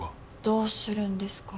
どうするんですか？